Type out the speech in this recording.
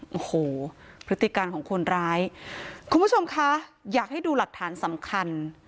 โอ้โหพฤติการของคนร้ายคุณผู้ชมคะอยากให้ดูหลักฐานสำคัญ